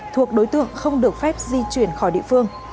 thuộc đối tượng không được phép di chuyển khỏi địa phương